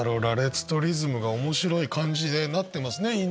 羅列とリズムが面白い感じでなってますね。